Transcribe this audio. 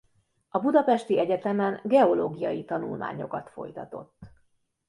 A budapesti egyetemen geológiai tanulmányokat folytatott.